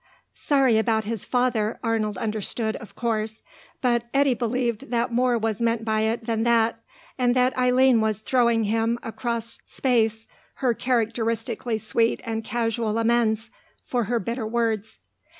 Sorry about his father, Arnold understood, of course; but Eddy believed that more was meant by it than that, and that Eileen was throwing him across space her characteristically sweet and casual amends for her bitter words.